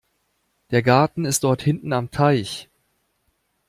Der Garten ist dort hinten am Teich.